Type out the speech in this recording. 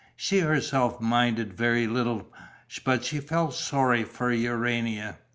She herself minded very little, but she felt sorry for Urania.